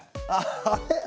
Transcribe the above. あれ？